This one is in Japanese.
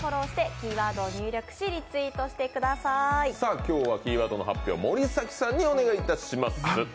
今日のキーワードの発表は森崎さんにお願いいたします。